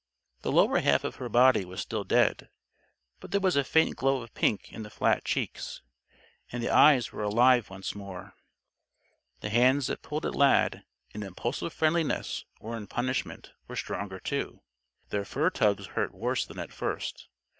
The lower half of her body was still dead. But there was a faint glow of pink in the flat cheeks, and the eyes were alive once more. The hands that pulled at Lad, in impulsive friendliness or in punishment, were stronger, too. Their fur tugs hurt worse than at first.